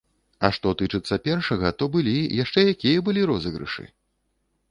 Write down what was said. А што тычыцца першага, то былі, яшчэ якія былі розыгрышы!